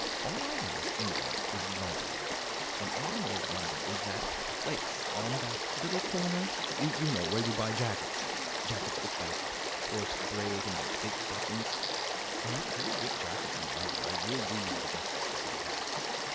All I know of England is London, and all I know of London is that place on that little corner, you know, where you buy jackets jackets with that coarse braid and those big buttons. They make very good jackets in London, I will do you the justice to say that.